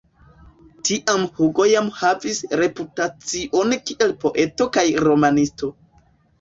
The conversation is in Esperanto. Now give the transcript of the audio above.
Tiam Hugo jam havis reputacion kiel poeto kaj romanisto.